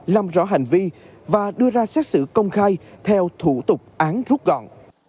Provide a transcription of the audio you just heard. làm rõ hành vi và đưa ra xét xử công khai theo thủ tục án rút gọn